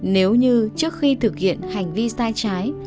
nếu như trước khi thực hiện hành vi sai trái